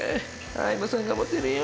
相葉さん、頑張ってるよ。